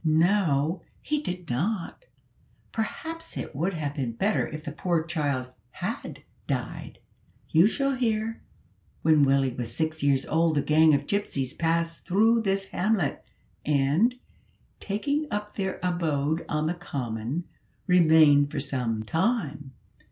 "No, he did not: perhaps it would have been better if the poor child had died; you shall hear. When Willie was six years old a gang of gypsies passed through this hamlet, and, taking up their abode on the common, remained for some time.